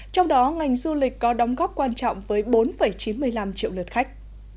trong đó ngành du lịch có đóng góp quan trọng với bốn chín mươi năm triệu lượt khách